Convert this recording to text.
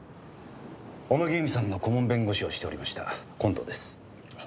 小野木由美さんの顧問弁護士をしておりました近藤です。